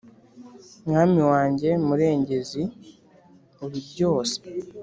Mwami wanjye murengezi uribyose